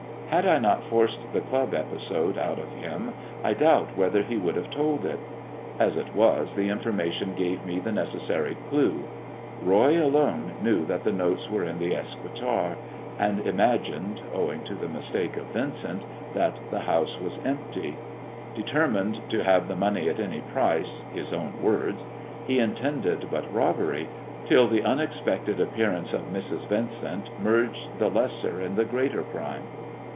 Had I not forced the club episode out of h u I doubt whether he would have told it. As it was, the J i\^ information gave me the necessary clue. Boy alone knew 1 1\, that the notes were in the escritoire, and imagined (owing I irj to the mistake of Vincent) that the house was empty, D^ I Kij THE GREEN STOHE GOD AKD THE STOCKBROKER 259 termined to have the money at any price (his own words), he intended but robbery, till the unexpected appearance of 2£rs, Yincent merged the lesser in tbe greater crime.